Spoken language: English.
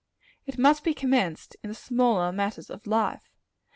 It must be commenced in the smaller matters of life.